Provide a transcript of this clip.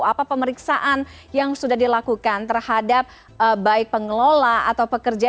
apa pemeriksaan yang sudah dilakukan terhadap baik pengelola atau pekerja